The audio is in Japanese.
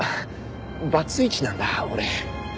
バツイチなんだ俺。